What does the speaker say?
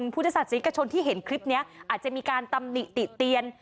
พุทธศาสนิกชนที่เห็นคลิปนี้อาจจะมีการตำหนิติเตียน